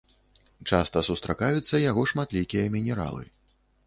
Часта сустракаюцца яго шматлікія мінералы.